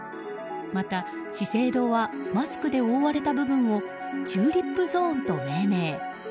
また、資生堂はマスクで覆われた部分をチューリップゾーンと命名。